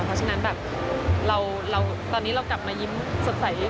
เพราะฉะนั้นแบบเราตอนนี้เรากลับมายิ้มสดใสเรื่อ